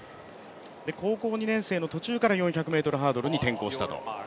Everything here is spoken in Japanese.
高校２年生途中から４００ｍハードルに転向したと。